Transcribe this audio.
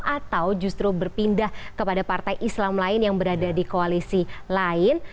atau justru berpindah kepada partai islam lain yang berada di koalisi lain